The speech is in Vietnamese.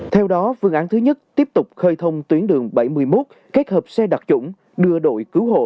theo đó phương án thứ nhất tiếp tục khơi thông tuyến đường bảy mươi một kết hợp xe đặc trủng đưa đội cứu hộ